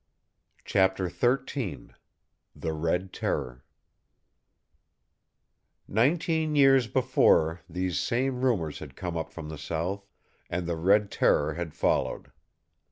CHAPTER XIII THE RED TERROR Nineteen years before these same rumors had come up from the south, and the Red Terror had followed.